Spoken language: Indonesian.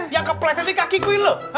yang kepleset ini kaki gue lho